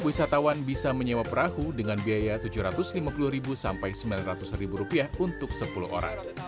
wisatawan bisa menyewa perahu dengan biaya rp tujuh ratus lima puluh sampai rp sembilan ratus untuk sepuluh orang